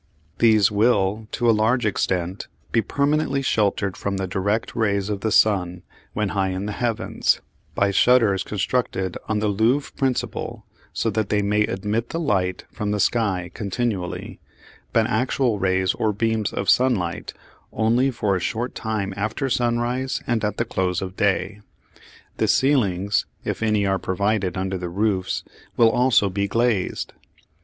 These will, to a large extent, be permanently sheltered from the direct rays of the sun when high in the heavens, by shutters constructed on the louvre principle so that they may admit the light from the sky continually, but actual rays or beams of sunlight only for a short time after sunrise and at the close of day. The ceilings, if any are provided under the roofs, will also be glazed.